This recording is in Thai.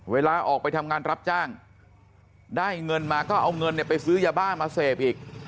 เวลาออกไปทำงานรับจ้างได้เงินมาก็เอาเงินไปซื้อยาบ้ามาเสพอีก